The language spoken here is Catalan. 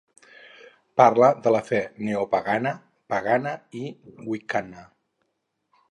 Parla de la fe neopagana, pagana i wiccana.